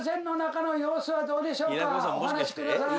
お話しください。